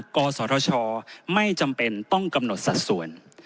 กศธชไม่จำเป็นต้องกำหนดสัดส่วน